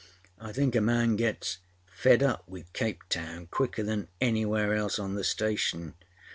â âI think a man gets fed up with Cape Town quicker than anywhere else on the station.